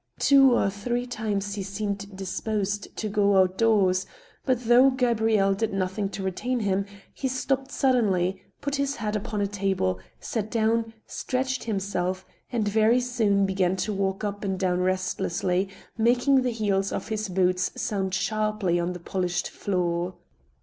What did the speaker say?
Two or three times he seemed disposed to go out doors ; but, though Gabrielle did nothing to retain him, he stopped suddenly, put his hat upon a table, sat down, stretched himself, and very soon began to wsdk up and down restlessly, making the heels of his boots sound sharply on the polished floor.